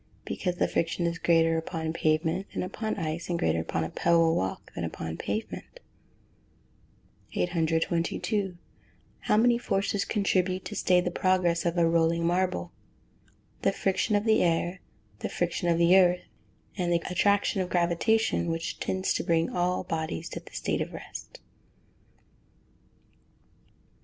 _ Because the friction is greater upon pavement than upon ice, and greater upon a pebble walk than upon pavement. 822. How many forces contribute to stay the progress of a rolling marble? The friction of the air, the friction of the earth, and the attraction of gravitation, which tends to bring all bodies to a state of rest.